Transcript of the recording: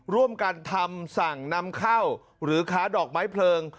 ร่วมกันทำสั่งนำเข้าหรือค้าดอกไม้เพลิง